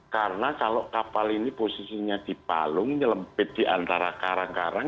karena kalau kapal ini posisinya di palung nyelempit di antara karang karang